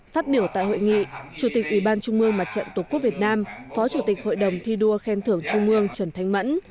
phát biểu tại hội nghị chủ tịch ủy ban trung mương mặt trận tổ quốc việt nam phó chủ tịch hội đồng thi đua khen thưởng trung mương trần thanh mẫn